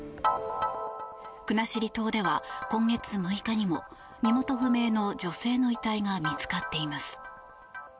国後島では今月６日にも身元不明の女性の遺体が見つかっています。